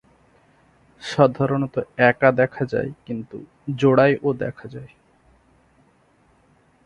সাধারণত একা দেখা যায় কিন্তু জোড়ায়ও দেখা যায়।